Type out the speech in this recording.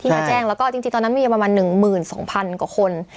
ที่น่าแจ้งแล้วก็จริงตอนนั้นมีประมาณ๑หมื่น๒พันกว่าคน